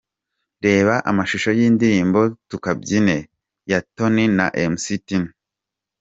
Reba amashusho y'indirimbo 'Tukabyine' ya Tony na Mc Tino.